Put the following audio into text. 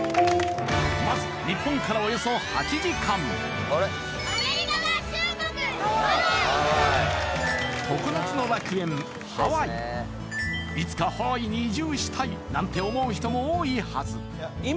まず日本からおよそ８時間ハワイいつかハワイに移住したいなんて思う人も多いはず